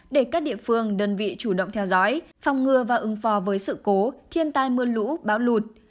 để các địa phương đơn vị chủ động theo dõi phòng ngừa và ứng phó với sự cố thiên tai mưa lũ bão lụt